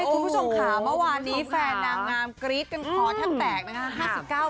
คุณผู้ชมค่ะเมื่อวานนี้แฟนนางงามกรี๊ดกันคอแทบแตกนะครับ